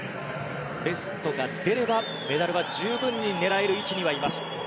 ベストが出ればメダルは十分に狙える位置にはいます。